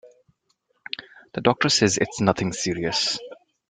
The doctor says it's nothing serious.